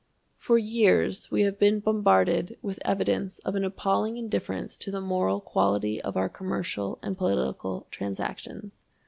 For years we have been bombarded with evidence of an appalling indifference to the moral quality of our commercial and political transactions.